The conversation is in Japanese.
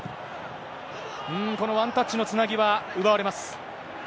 このワンタッチのつなぎは、奪われます。